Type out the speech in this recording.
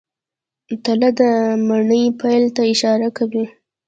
تله د مني پیل ته اشاره کوي.